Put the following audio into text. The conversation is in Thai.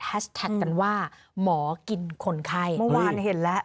กันว่าหมอกินคนไข้เมื่อวานเห็นแล้ว